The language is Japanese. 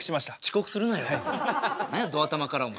何やど頭からお前。